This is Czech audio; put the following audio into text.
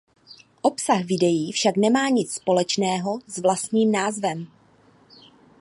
Obsah videa však nemá nic společného s vlastním názvem.